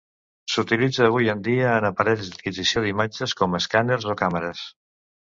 S'utilitza, avui en dia, en aparells d'adquisició d'imatges, com escàners o càmeres.